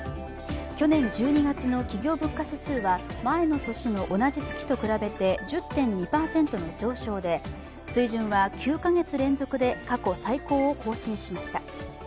去年１２月の企業物価指数は前の年の同じ月と比べて１０．２％の上昇で水準は９か月連続で過去最高を更新しました。